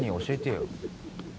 教えてよ。